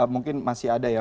mungkin masih ada ya